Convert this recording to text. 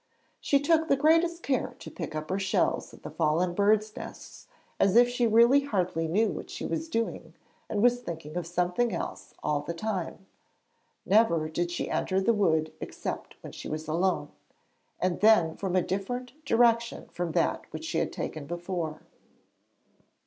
She took the greatest care to pick up her shells and the fallen birds' nests as if she really hardly knew what she was doing, and was thinking of something else all the time. Never did she enter the wood except when alone, and then from a direction different from that which she had taken before.